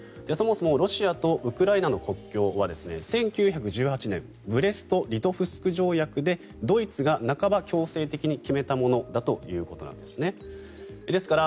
そもそもロシアとウクライナの国境は１９１８年ブレスト・リトフスク条約でドイツが半ば強制的に決めたものだということです。